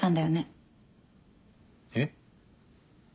えっ？